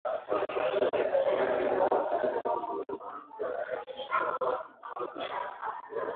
badiliko dhidi ya pombe au huhisi badiliko dhidi ya kokeni mara moja